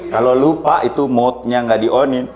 kalau lupa itu mode nya nggak di onin